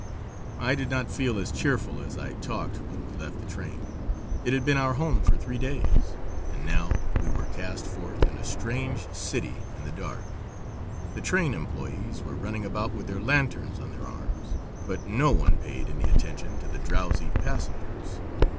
I did not feel as cheerful as I talked when we left the train. It had been our home for three days, and now we were cast forth in a strange city in the dark. The train employés were running about with their lanterns on their arms, but no one paid any attention to the drowsy passengers.